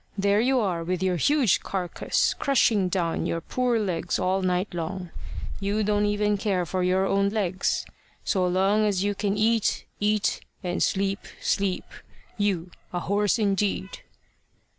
There you are with your huge carcass crushing down your poor legs all night long. You don't even care for your own legs so long as you can eat, eat, and sleep, sleep. You a horse indeed!"